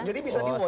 jadi bisa di watch